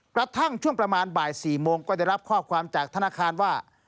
กระทั่งช่วงประมาณบ่าย๔โมงก็ได้รับข้อความจากธนาคารว่า